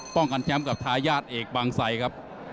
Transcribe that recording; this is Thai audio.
ป้องกันแชมป์กับทายาทเอกบางไซครับ